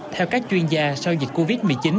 theo các chuyên gia sau dịch covid một mươi chín